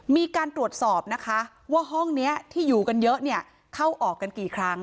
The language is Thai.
มีการตรวจสอบนะคะว่าห้องนี้ที่อยู่กันเยอะเนี่ยเข้าออกกันกี่ครั้ง